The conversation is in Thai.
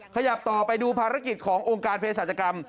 ขยับต่อไปดูภารกิจขององค์การเพศศาจกรรม